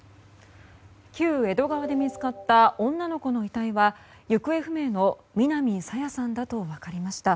旧江戸川で見つかった女の子の遺体は行方不明の南朝芽さんだと分かりました。